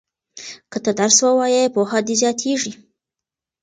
که ته درس ووایې پوهه دې زیاتیږي.